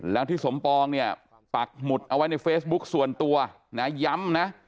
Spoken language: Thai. แล้วที่สมปองเนี่ยปักหมุดเอาไว้ในเฟซบุ๊คส่วนตัวนะย้ำนะ